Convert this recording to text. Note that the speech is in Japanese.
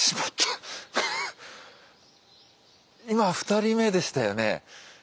今２人目でしたよね。